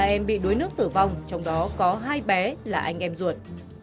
ba em bị đuối nước tử vong trong đó có hai bé là anh em ruột